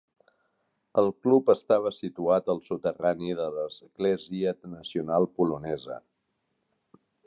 El club estava situat al soterrani de l"Església nacional polonesa.